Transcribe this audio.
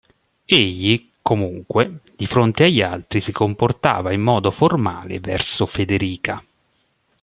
Egli, comunque, di fronte agli altri si comportava in modo formale verso Federica.